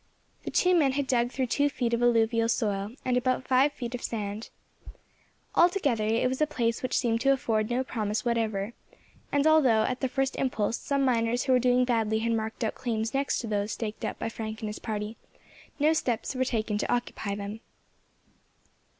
The two men had dug through two feet of alluvial soil, and about five feet of sand. Altogether, it was a place which seemed to afford no promise whatever; and although, at the first impulse, some miners who were doing badly had marked out claims next to those staked out by Frank and his party, no steps were taken to occupy them.